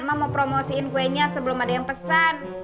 ma mau promosiin kuenya sebelum ada yang pesan